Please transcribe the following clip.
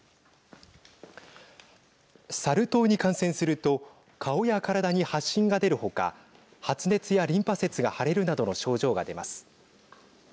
サル痘に感染すると顔や体に発疹が出るほか発熱やリンパ節が腫れるなどの症状が出ます。